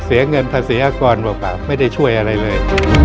เสียเงินผลัสเสียอากรป่ะไม่ได้ช่วยอะไรเลย